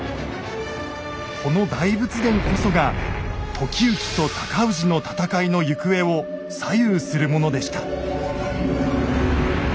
この大仏殿こそが時行と尊氏の戦いの行方を左右するものでした。